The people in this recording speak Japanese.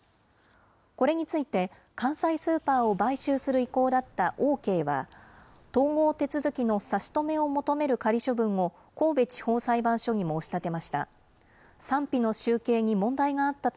これについて、関西スーパーを買収する意向だったオーケーは、統合手続きの差し止めを求める仮処分を神戸地方裁判所に申し立てました。